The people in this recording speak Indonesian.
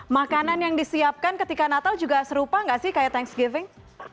makanan yang disiapkan ketika natal juga serupa gak sih kaya thanksgiving